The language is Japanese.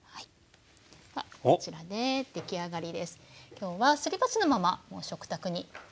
今日はすり鉢のままもう食卓にはい出して。